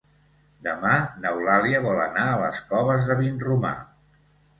Demà n'Eulàlia vol anar a les Coves de Vinromà.